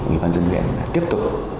ủy ban dân viện tiếp tục